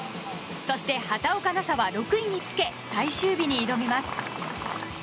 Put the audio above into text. そして、畑岡奈紗は６位につけ最終日に挑みます。